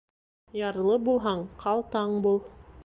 Ярлы булһаң ҡалтаң бул.